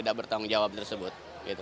tidak bertanggung jawab tersebut